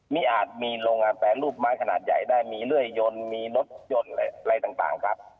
มีอาจมีโรงงานแปรรูปไม้ขนาดใหญ่ได้มีเลื่อยยนต์มีรถยนต์อะไรต่างครับ